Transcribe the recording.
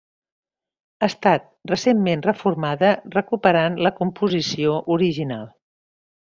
Ha estat recentment reformada recuperant la composició original.